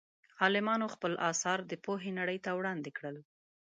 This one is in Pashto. عالمانو خپل اثار د پوهې نړۍ ته وړاندې کړل.